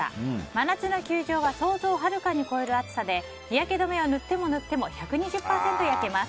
真夏の球場は想像をはるかに超える暑さで日焼け止めを塗っても塗っても１２０％焼けます。